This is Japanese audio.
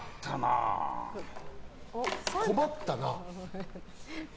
困ったな？